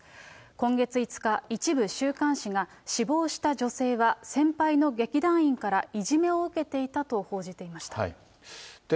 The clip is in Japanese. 今月５日、一部週刊誌が、死亡した女性は、先輩の劇団員からいじめを受けていたと報じていました。